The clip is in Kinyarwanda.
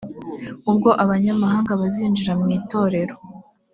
ubwo abanyamahanga bazinjira mu itorero